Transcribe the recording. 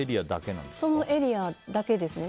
そのエリアだけですか？